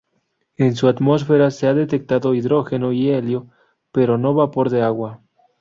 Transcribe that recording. En su atmósfera se han detectado hidrógeno y helio, pero no vapor de agua.